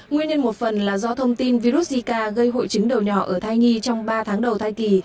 nguyên nhân một phần là do thông tin virus zika gây hội chứng đầu nhỏ ở thai nhi trong ba tháng đầu thai kỳ